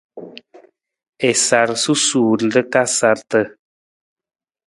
A sar susuur nra ka sarata.